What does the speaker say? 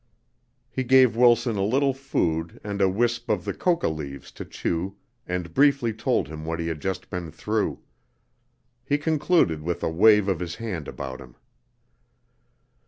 He gave Wilson a little food and a wisp of the coca leaves to chew and briefly told him what he had just been through. He concluded with a wave of his hand about him.